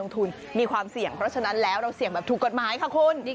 ตั้งใจดูมาก